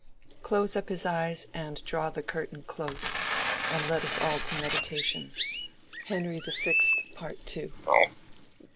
"Close up his eyes and draw the curtain close; And let us all to meditation." —2 Henry VI.